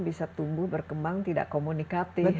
bisa tumbuh berkembang tidak komunikatif